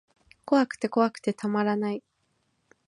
怖くて怖くてたまらない